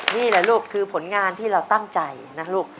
นี่แหละลูกคือผลงานที่เราตั้งใจนะลูก